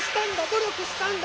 ど力したんだ！